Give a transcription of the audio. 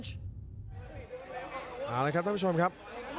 สวัสดีครับท่านผู้ชมครับ